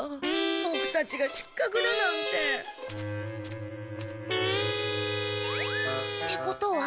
ボクたちが失格だなんて。ってことは。